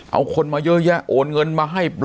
เอาคนมาเยอะแยะโอนเงินมาให้